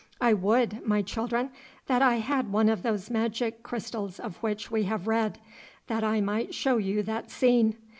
I would, my children, that I had one of those magic crystals of which we have read, that I might show you that scene.